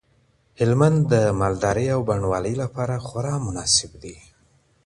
هلمند د مالدارۍ او بڼوالۍ لپاره خورا مناسب دی.